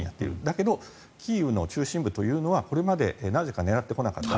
だけどキーウの中心部というのはこれまでなぜか狙ってこなかった。